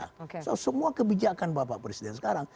karena semua kebijakan bapak presiden sekarang